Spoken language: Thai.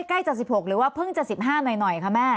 ใกล้จะ๑๖หรือว่าเพิ่งจะ๑๕หน่อยคะแม่